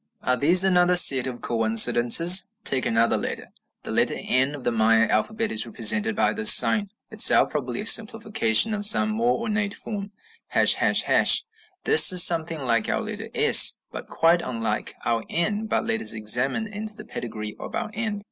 Are these another set of coincidences? Take another letter: The letter n of the Maya alphabet is represented by this sign, itself probably a simplification of some more ornate form, ###. This is something like our letter S, but quite unlike our N. But let us examine into the pedigree of our n.